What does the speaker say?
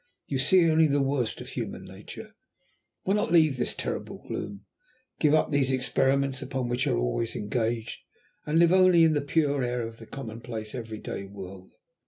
You see only the worst side of Human Nature. Why not leave this terrible gloom? Give up these experiments upon which you are always engaged, and live only in the pure air of the commonplace every day world.